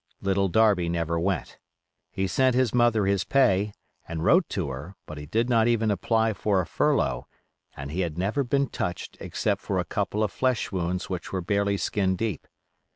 Little Darby never went; he sent his mother his pay, and wrote to her, but he did not even apply for a furlough, and he had never been touched except for a couple of flesh wounds which were barely skin deep.